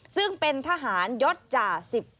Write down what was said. ซึ่งเป็นทหารยศจ่า๑๘